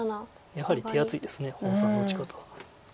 やはり手厚いです洪さんの打ち方は。